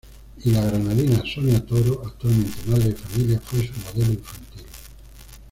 Y la granadina Sonia Toro, actualmente madre de familia, fue su modelo infantil.